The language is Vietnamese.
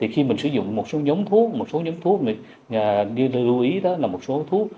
khi mình sử dụng một số giống thuốc một số nhóm thuốc lưu ý đó là một số thuốc